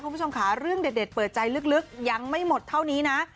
คุณผู้ชมค่ะเรื่องเด็ดเปิดใจลึกยังไม่หมดเท่านี้นะ